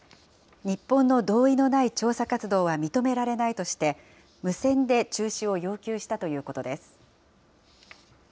日本の同意のない調査活動は認められないとして、無線で中止を要求したということです。